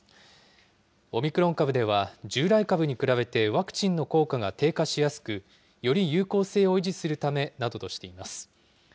オミクロン株では、従来株に比べてワクチンの効果が低下しやすく、より有効性を維持するためなどとしています。